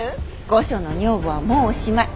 御所の女房はもうおしまい。